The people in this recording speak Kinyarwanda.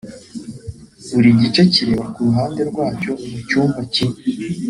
buri gice kireba ku ruhande rwacyo mu cyumba kimwe